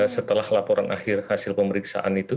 setelah laporan akhir hasil pemeriksaan itu